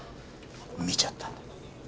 見ちゃったんだ。